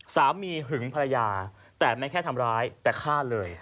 หึงภรรยาแต่ไม่แค่ทำร้ายแต่ฆ่าเลย